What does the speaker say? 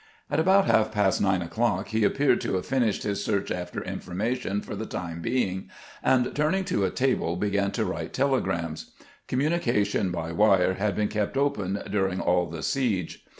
At about half past nine o'clock he appeared to have finished his search after information for the time being, and turning to a table, began to write telegrams. Com munication by wire had been kept open during all the siege.